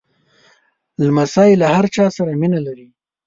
لمسی له هر چا سره مینه لري.